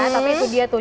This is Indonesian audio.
tapi itu dia tuh